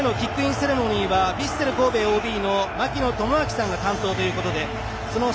今日試合前のキックインセレモニーはヴィッセル神戸ＯＢの槙野智章さんが担当です。